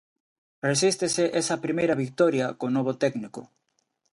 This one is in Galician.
Resístese esa primeira vitoria co novo técnico.